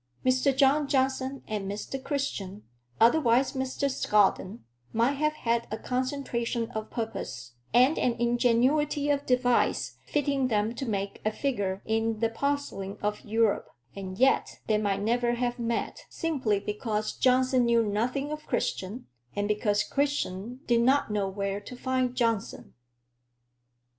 Mr. John Johnson and Mr. Christian, otherwise Mr. Scaddon, might have had a concentration of purpose and an ingenuity of device fitting them to make a figure in the parcelling of Europe, and yet they might never have met, simply because Johnson knew nothing of Christian, and because Christian did not know where to find Johnson.